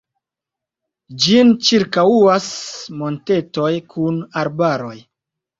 Ĝin ĉirkaŭas montetoj kun arbaroj.